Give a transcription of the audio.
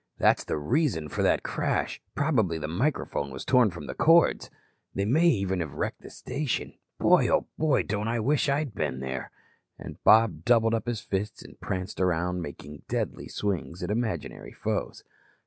That's the reason for that crash. Probably the microphone was torn from the cords. They may even have wrecked the station. Boy, oh boy, don't I wish I'd been there." And Bob doubled up his fists and pranced around, making deadly swings at imaginary foes.